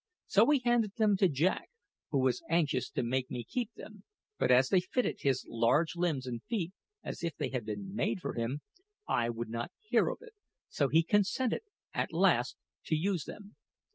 So we handed them to Jack, who was anxious to make me keep them; but as they fitted his large limbs and feet as if they had been made for him, I would not hear of it, so he consented at last to use them.